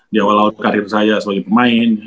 di awal awal karir saya sebagai pemain